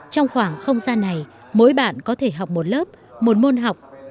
trong khoảng không gian này mỗi bạn có thể học một lớp một môn học